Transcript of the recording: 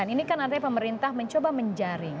ini kan artinya pemerintah mencoba menjaring